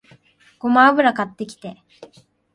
ごま油買ってきて